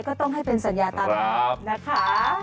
ก็ต้องให้เป็นสัญญาตามนะคะ